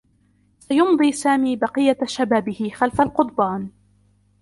سيمضي سامي بقيّة شبابه خلف القضبان.